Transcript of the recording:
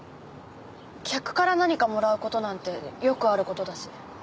客から何かもらう事なんてよくある事だし。